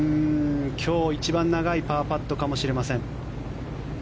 今日一番長いパーパットかもしれません。